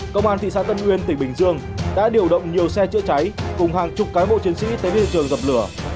công an thị xã tân uyên tỉnh bình dương đã điều động nhiều xe chữa cháy cùng hàng chục cái bộ chiến sĩ tới viên trường dập lửa